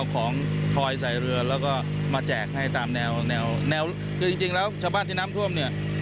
ของทอยใส่เรือแล้วก็มาแจกให้ตามแนวแนวคือจริงแล้วชาวบ้านที่น้ำท่วมเนี่ย